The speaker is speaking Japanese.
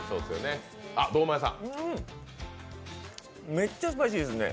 めっちゃスパイシーですね